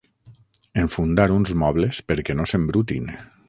Enfundar uns mobles perquè no s'embrutin.